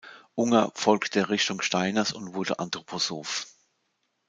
Unger folgte der Richtung Steiners und wurde Anthroposoph.